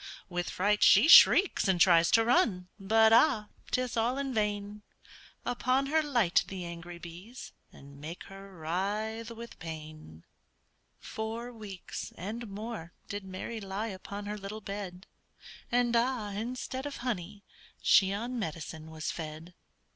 With fright she shrieks, and tries to run, But ah! 'tis all in vain; Upon her light the angry bees, And make her writhe with pain. Four weeks and more did Mary lie Upon her little bed, And, ah! instead of honey, she On medicine was fed.